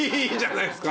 いいですか？